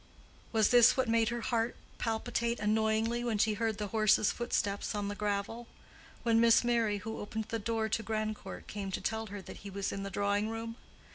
Was this what made her heart palpitate annoyingly when she heard the horse's footsteps on the gravel?—when Miss Merry, who opened the door to Grandcourt, came to tell her that he was in the drawing room?